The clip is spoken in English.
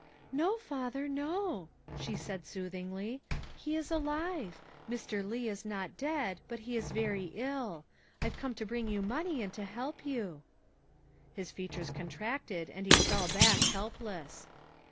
" No, father, no," she said soothingly, "he is alive. Mr. Leigh is not dead, but he's very ill. I've come to bring you money and to help you. '' His features contracted and he fell back helpless.